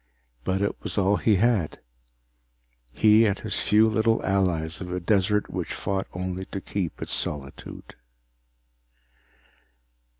But it was all he had, he and his few little allies of a desert which fought only to keep its solitude.